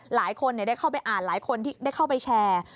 หลายคนได้เข้าไปอ่านหลายคนที่ได้เข้าไปแชร์